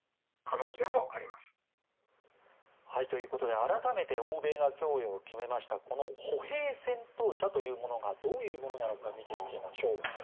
改めて欧米が供与を決めました歩兵戦闘車というものがどういうものなのか見ていきましょう。